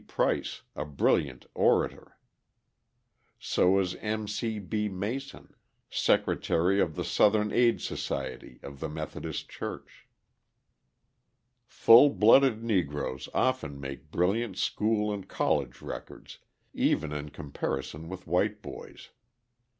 Price, a brilliant orator; so is M. C. B. Mason, secretary of the Southern Aid Society of the Methodist Church. Full blooded Negroes often make brilliant school and college records, even in comparison with white boys.